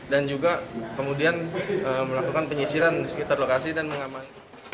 dan juga kemudian melakukan penyisiran di sekitar lokasi dan mengamai